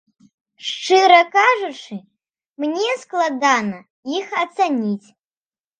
Шчыра кажучы, мне складана іх ацаніць.